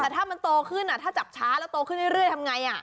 แต่ถ้ามันโตขึ้นถ้าจับช้าแล้วโตขึ้นเรื่อยทำไง